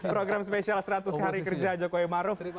program spesial seratus hari kerja jokowi dan kehaji maruk